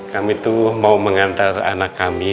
kami tuh mau mengantar anak kami